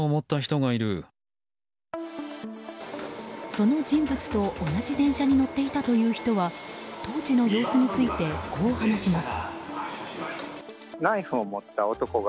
その人物と同じ電車に乗っていたという人は当時の様子についてこう話します。